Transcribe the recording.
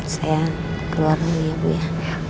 saya keluarin dulu ya